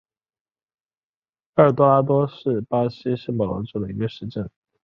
埃尔多拉多是巴西圣保罗州的一个市镇。